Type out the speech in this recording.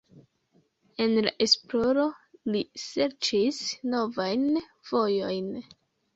En la esploro li serĉis novajn vojojn.